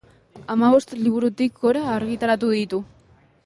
Hamabost liburutik gora argitaratu ditu.